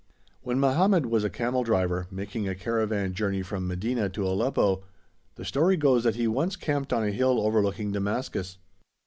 When Mohammed was a camel driver, making a caravan journey from Medina to Aleppo, the story goes that he once camped on a hill overlooking Damascus.